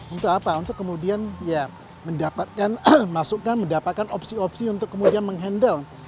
untuk apa untuk kemudian ya mendapatkan masukan mendapatkan opsi opsi untuk kemudian menghandle